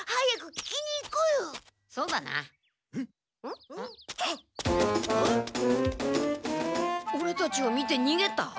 ん？えっ？オレたちを見てにげた？